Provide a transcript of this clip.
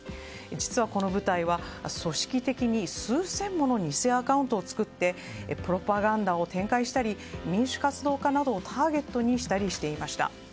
実はこの部隊組織的に数千もの偽アカウントを作ってプロパガンダを展開したり民主活動家などをターゲットにしたりしていました。